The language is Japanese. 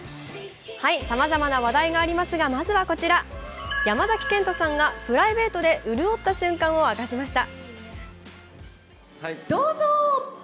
さまざまな話題がありますがまずはこちら、山崎賢人さんがプライベートで潤った瞬間を明かしました。